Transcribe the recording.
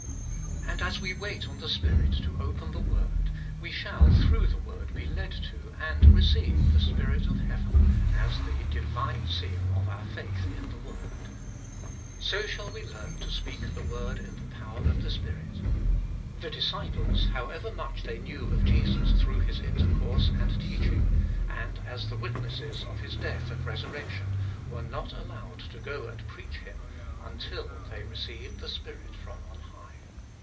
2. And as we wait on the Spirit to open the word, we shall through the word be led to and receive the spirit of heaoen, as the divine seal of our faith in the word. 3. So shall we learn to speak the word In the power of the Spirit. The disciples, however much they knew of Jesus through His Intercourse and teaching, and as the witnesses of His death and resurrection, were not allowed to go and preach Him, until they received the Spirit from on high.